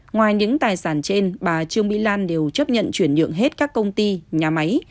ngoài những tài sản trên bà trương mỹ lan đều chấp nhận chuyển nhượng hết các công ty nhà máy